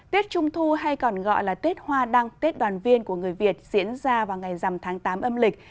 tết trung thu hay còn gọi là tết hoa đăng tết đoàn viên của người việt diễn ra vào ngày dằm tháng tám âm lịch